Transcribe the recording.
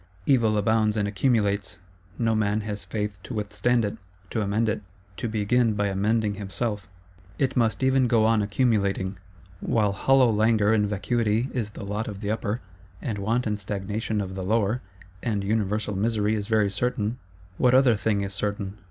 Evil abounds and accumulates: no man has Faith to withstand it, to amend it, to begin by amending himself; it must even go on accumulating. While hollow langour and vacuity is the lot of the Upper, and want and stagnation of the Lower, and universal misery is very certain, what other thing is certain?